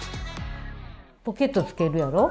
ポケットつけるやろ。